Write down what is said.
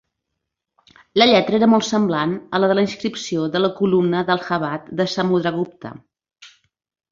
La lletra era molt semblant a la de la inscripció de la columna d'Allahabad de Samudragupta.